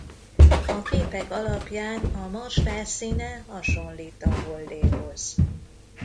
A képek alapján a Mars felszíne hasonlít a Holdéhoz.